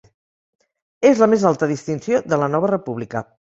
És la més alta distinció de la nova República.